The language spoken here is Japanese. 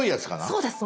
そうです。